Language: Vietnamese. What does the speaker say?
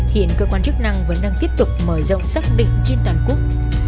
hiện cơ quan chức năng vẫn đang tiếp tục mở rộng xác định trên toàn quốc